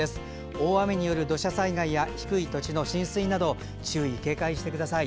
大雨による土砂災害や低い土地の浸水など注意・警戒をしてください。